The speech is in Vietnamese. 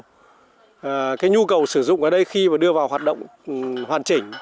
cái nhu cầu sử dụng ở đây khi mà đưa vào hoạt động hoàn chỉnh